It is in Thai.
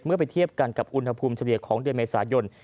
ไปเทียบกันกับอุณหภูมิเฉลี่ยของเดือนเมษายน